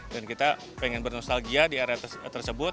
dan kita pengen bernostalgia di area tersebut